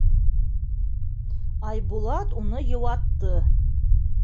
Айбулат уны йыуатты: